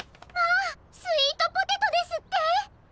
まあスイートポテトですって！？